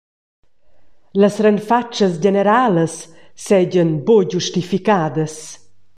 Las renfatschas generalas seigien buca giustificadas.